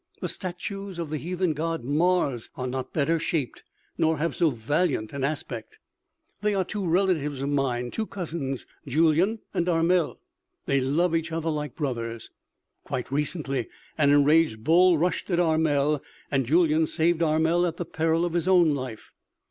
The statues of the heathen god Mars are not better shaped, nor have so valiant an aspect." "They are two relatives of mine; two cousins, Julyan and Armel. They love each other like brothers.... Quite recently an enraged bull rushed at Armel and Julyan saved Armel at the peril of his own life.